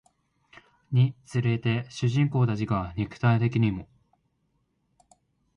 につれて主人公たちが肉体的にも